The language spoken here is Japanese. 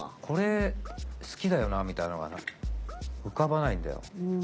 「これ好きだよな」みたいなのが浮かばないんだよ。